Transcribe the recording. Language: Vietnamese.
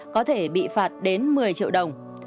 có thể bị phạt đến một mươi triệu đồng